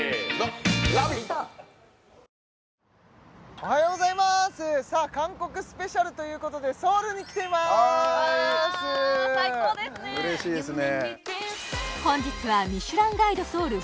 おはようございます韓国スペシャルということでソウルに来ていますわ最高ですね嬉しいですね